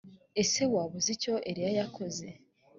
ese waba uzi icyo eliya yakoze.